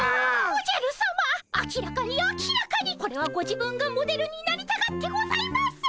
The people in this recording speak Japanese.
おじゃるさま明らかに明らかにこれはご自分がモデルになりたがってございます。